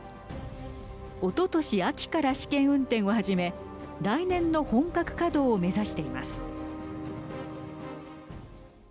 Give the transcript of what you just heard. おととし秋から試験運転を始め来年の本格稼働を目指しています。